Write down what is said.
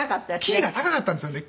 キーが高かったんですよね。